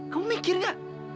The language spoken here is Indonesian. kamu mikir nggak